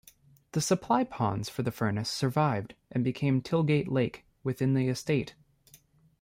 The supply ponds for the furnace survived and became "Tilgate Lake" within the estate.